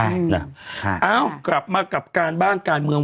เอ้ากลับมากับการบ้านการเมือง